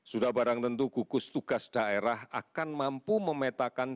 sudah barang tentu gugus tugas daerah akan mampu memetakan